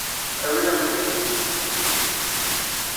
Awi-yaɣ-t-id.